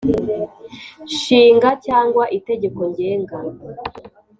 Nshinga cyangwa itegeko ngenga